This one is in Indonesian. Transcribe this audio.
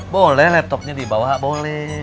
boleh laptopnya dibawa boleh